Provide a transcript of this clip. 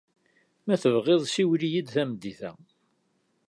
Ma tebɣiḍ, siwel-iyi-d tameddit-a.